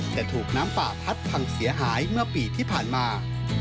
แต่ถูกน้ำป่าพัดพังเสียหายเมื่อปีที่ผ่านมา